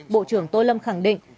bộ trưởng tô lâm khẳng định